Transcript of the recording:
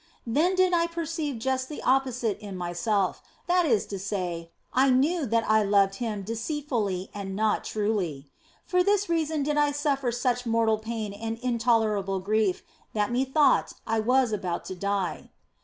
Then did I perceive just the opposite in myself, that is to say, I knew that I loved Him deceitfully and not truly. For this reason did I suffer such mortal pain and intolerable grief that methought I was about to die.